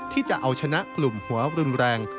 จะเอาชนะกลุ่มหัวรุนแรง